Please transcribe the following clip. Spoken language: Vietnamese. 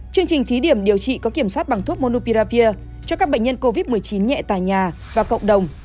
chương trình thí điểm điều trị có kiểm soát bằng thuốc monupiravir cho các bệnh nhân covid một mươi chín nhẹ tại nhà và cộng đồng